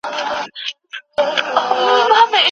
لنډ خوب هم د کمښت پوره کوي.